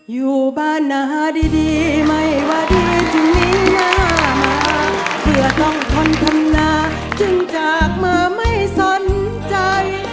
อยู่บ้านหน้าดีไม่ว่าดีจริงหน้าหลักเปลี่ยนต้องคล่อนทนาจึงจากมาไม่สนใจ